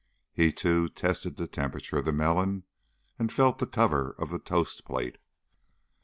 He, too, tested the temperature of the melon and felt the cover of the toast plate.